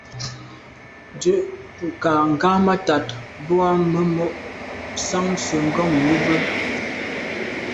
Ndù kà ghammatat boa memo’ nsan se’ ngom yube.